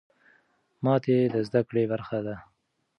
ماتې د زده کړې برخه ده.